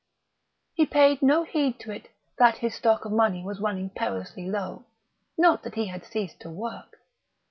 He paid no heed to it that his stock of money was running perilously low, nor that he had ceased to work.